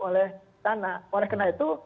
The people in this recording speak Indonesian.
oleh karena oleh karena itu